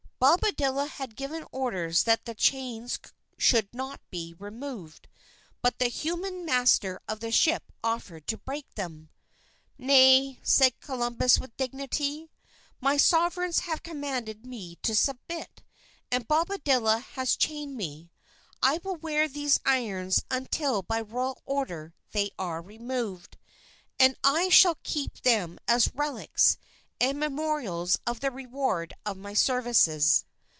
Bobadilla had given orders that the chains should not be removed, but the humane master of the ship offered to break them. "Nay," said Columbus with dignity, "my Sovereigns have commanded me to submit, and Bobadilla has chained me. I will wear these irons until by royal order they are removed. And I shall keep them as relics and memorials of the reward of my services."